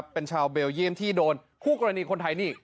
เป็นชาวเบลเยี่ยมที่โดนคู่กรณีคนไทยนี่